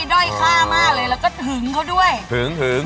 เราก็หึงเขาด้วยหึง